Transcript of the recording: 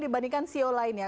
dibandingkan ceo lainnya